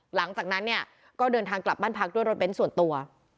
หลังจากนั้นเนี่ยก็เดินทางกลับบ้านพักด้วยรถเน้นส่วนตัว